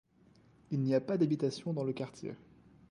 Il n'y a pas d'habitations dans le quartier.